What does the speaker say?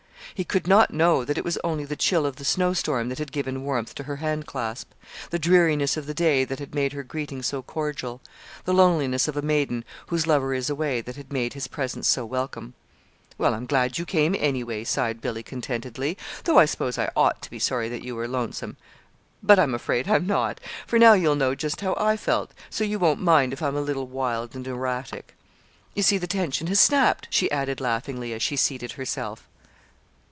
He could not know that it was only the chill of the snowstorm that had given warmth to her handclasp, the dreariness of the day that had made her greeting so cordial, the loneliness of a maiden whose lover is away that had made his presence so welcome. "Well, I'm glad you came, anyway," sighed Billy, contentedly; "though I suppose I ought to be sorry that you were lonesome but I'm afraid I'm not, for now you'll know just how I felt, so you won't mind if I'm a little wild and erratic. You see, the tension has snapped," she added laughingly, as she seated herself.